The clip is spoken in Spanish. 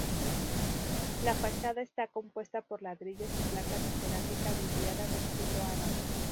La fachada está compuesta por ladrillos y placas de cerámica vidriada de estilo árabe.